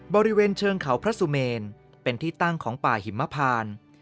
บริเวณเชิงเขาพระสุเมนเป็นที่ตั้งของป่าหิมพาน